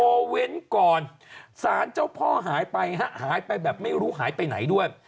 เว้นก่อนสารเจ้าพ่อหายไปฮะหายไปแบบไม่รู้หายไปไหนด้วย